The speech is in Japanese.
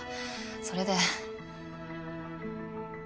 それで。